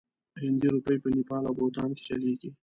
هندي روپۍ په نیپال او بوتان کې چلیږي.